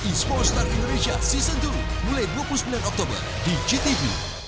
esports star indonesia season dua mulai dua puluh sembilan oktober di gtv